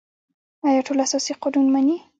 آیا ټول اساسي قانون مني؟